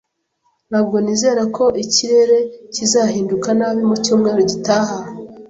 Ntabwo nizera ko ikirere kizahinduka nabi mu cyumweru gitaha